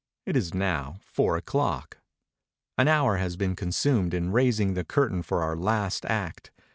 It is now four o'clock. An hour has been consumed in raising the curtain for the last act.